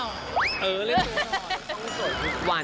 ต้องสวยทุกวัน